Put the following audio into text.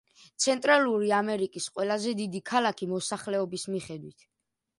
ცენტრალური ამერიკის ყველაზე დიდი ქალაქი მოსახლეობის მიხედვით.